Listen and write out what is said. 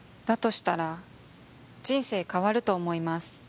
したら人生変わると思います